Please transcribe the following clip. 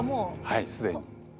はい既に。